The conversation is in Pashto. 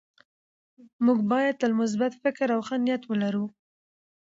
موږ باید تل مثبت فکر او ښه نیت ولرو